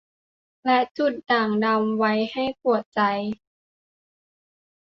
และจุดด่างดำไว้ให้ปวดใจ